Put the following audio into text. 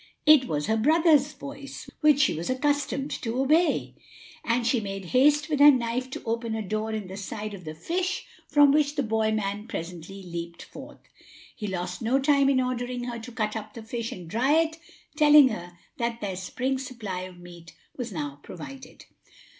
It was her brother's voice, which she was accustomed to obey; and she made haste with her knife to open a door in the side of the fish, from which the boy man presently leaped forth. He lost no time in ordering her to cut up the fish and dry it; telling her that their spring supply of meat was now provided.